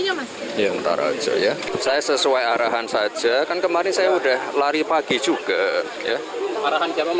udah jandar aja ya saya sesuai arahan saja kan kemarin saya udah lari pagi juga arahan jerema